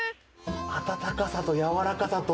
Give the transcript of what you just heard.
温かさと柔らかさと。